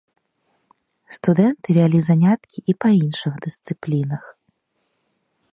Студэнты вялі заняткі і па іншых дысцыплінах.